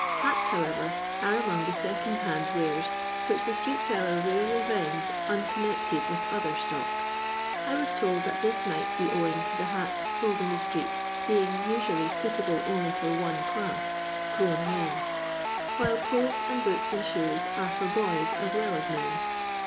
Hats, how ever, are among the second hand wares which the street seller rarely vends unconnected with other stock. I was told that this might be owing to the hats sold in the streets being usually suitable only for one class, grown men ; while clothes and boots and shoes are for boys as well as men.